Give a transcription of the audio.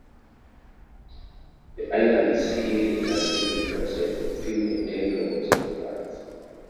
The island is hilly and heavily forested, with few maintained roads or paths.